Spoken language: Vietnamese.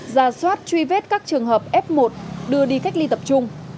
ra soát truy vết các trường hợp f một đưa đi cách ly tập trung